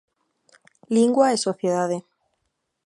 Lingua e sociedade.